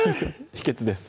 秘訣です